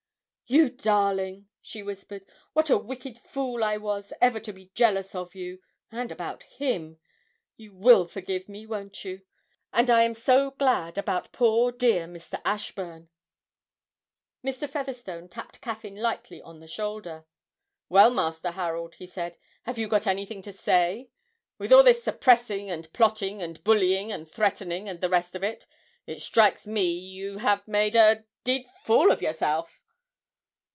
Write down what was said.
'You darling!' she whispered, 'what a wicked fool I was ever to be jealous of you and about him. You will forgive me, won't you? And I am so glad about poor dear Mr. Ashburn.' Mr. Featherstone tapped Caffyn lightly on the shoulder. 'Well, Master Harold,' he said, 'have you got anything to say? With all this suppressing, and plotting, and bullying, and threatening, and the rest of it it strikes me you have made a d d fool of yourself!'